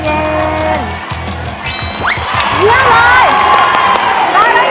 เยี่ยมเลย